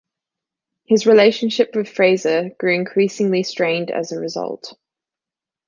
His relationship with Fraser grew increasingly strained as a result.